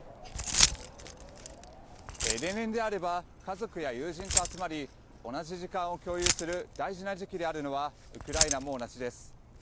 例年であれば家族や友人と集まり同じ時間を共有する大事な時期であるのはウクライナも同じです。